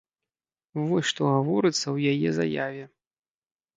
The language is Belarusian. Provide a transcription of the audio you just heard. Вось што гаворыцца ў яе заяве.